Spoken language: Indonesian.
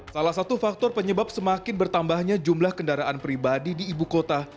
salah satu faktor penyebab semakin bertambahnya jumlah kendaraan pribadi di ibu kota